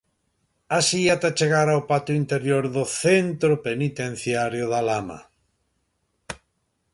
Así ata chegar ao patio interior do Centro Penitenciario de A Lama.